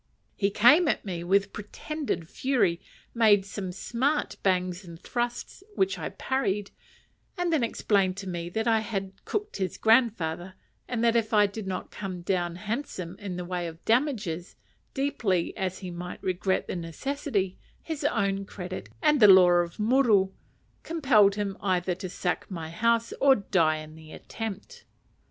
He came at me with pretended fury; made some smart bangs and thrusts, which I parried, and then explained to me that I had "cooked his grandfather;" and that if I did not come down handsome in the way of damages, deeply as he might regret the necessity, his own credit, and the law of muru, compelled him either to sack my house, or die in the attempt.